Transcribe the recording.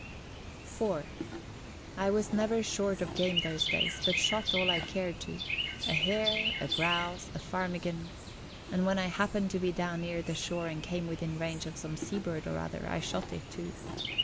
IV I was never short of game those days, but shot all I cared to a hare, a grouse, a ptarmigan and when I happened to be down near the shore and came within range of some seabird or other, I shot it too.